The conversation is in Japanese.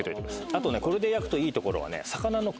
あとこれで焼くといいところは。